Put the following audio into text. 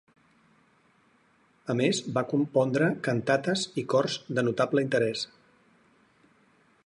A més va compondre cantates i cors de notable interès.